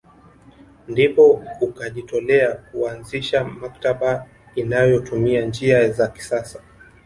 Ndipo ukajitolea kuanzisha maktaba inayotumia njia za kisasa